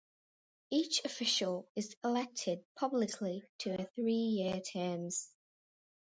Each official is elected publicly to a three-year terms.